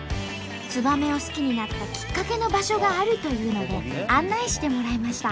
ツバメを好きになったきっかけの場所があるというので案内してもらいました。